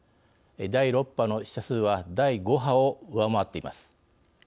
第６波の死者数は第５波を上回っています。